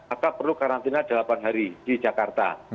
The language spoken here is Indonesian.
atau perlu karantina delapan hari di jakarta